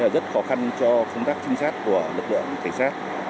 rất khó khăn cho công tác trinh sát của lực lượng cảnh sát